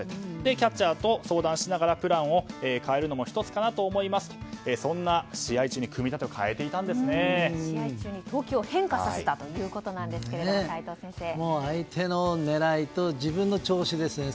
キャッチャーと相談しながらプランを変えるのも１つかなと思いますとそんな試合中に試合中に投球を相手の狙いと自分の調子ですね